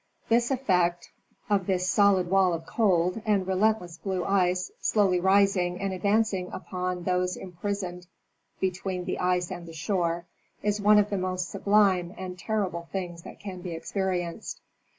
The effect of this solid wall of cold and relentless blue ice slowly rising and advancing upon those imprisoned between the ice and the shore is one of the most sublime and terrible things that can be experienced.